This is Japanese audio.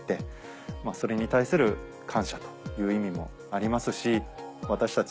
それに対する感謝という意味もありますし私たち